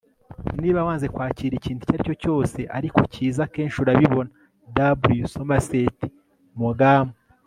niba wanze kwakira ikintu icyo aricyo cyose ariko cyiza, akenshi urabibona. - w. somerset maugham